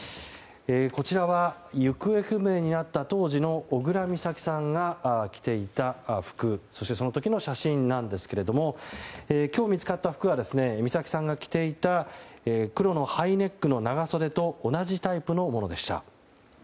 こちらは行方不明になった当時の小倉美咲さんが着ていた服そして、その時の写真なんですけれども今日、見つかった服は美咲さんが着ていた黒のハイネックの長袖と同じタイプのものでした。